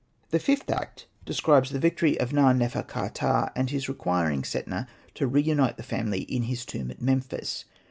The fifth act describes the victory of Na. nefer.ka.ptah, and his requiring Setna to reunite the family in his tomb at Memphis.